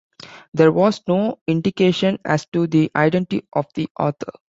There was no indication as to the identity of the author.